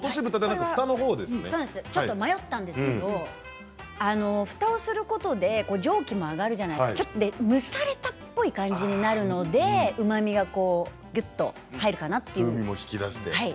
迷ったんですけどふたをすることで蒸気も上がるじゃないですか。蒸されたっぽい感じになるのでうまみがぎゅっと入るかなと。